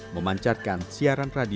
memancarkan siapkan komunitas yang berbeda